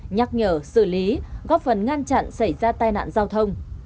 nhắc nhở xử lý góp phần ngăn chặn xảy ra tai nạn giao thông